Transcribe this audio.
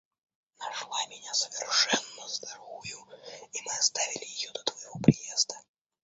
Нашла меня совершенно здоровою, и мы оставили ее до твоего приезда.